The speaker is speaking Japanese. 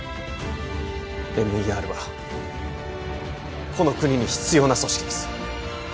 ＭＥＲはこの国に必要な組織です